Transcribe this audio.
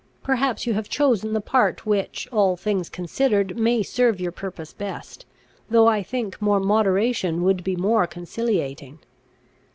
Perhaps you have chosen the part which, all things considered, may serve your purpose best; though I think more moderation would be more conciliating.